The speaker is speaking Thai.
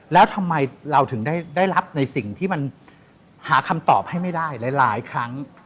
แล้วทำไมเราถึงได้รับในสิ่งที่มันหาคำตอบให้ไม่ได้หลายครั้ง